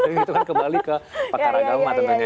itu kan kembali ke pakar agama tentunya